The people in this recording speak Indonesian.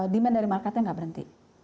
demand dari marketnya nggak berhenti